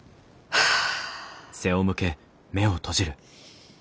はあ。